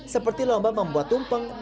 seperti lomba membuat tumpeng dan bantuan